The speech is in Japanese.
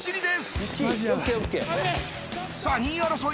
さあ２位争い。